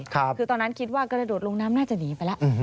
คือตอนนั้นคิดว่ากระโดดลงน้ำน่าจะหนีไปแล้ว